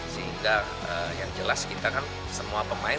sehingga yang jelas kita kan semua pemain